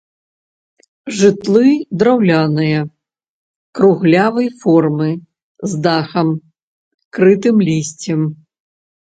Жытлы драўляныя круглявай формы з дахам, крытым лісцем.